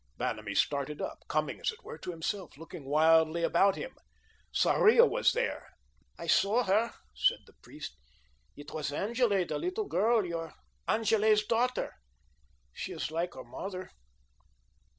Vanamee started up, coming, as it were, to himself, looking wildly about him. Sarria was there. "I saw her," said the priest. "It was Angele, the little girl, your Angele's daughter. She is like her mother."